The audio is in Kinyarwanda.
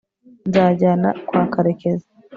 nzajyana kwa karekezi